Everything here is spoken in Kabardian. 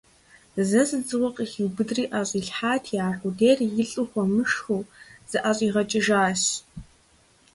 Зэ зы дзыгъуэ къыхуиубыдри ӀэщӀилъхьати, аркъудейр, илӀу хуэмышхыу, зыӀэщӀигъэкӀыжащ!